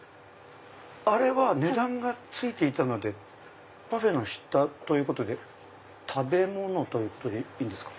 あれは値段が付いていたのでパフェの下ということで食べ物でいいんですか？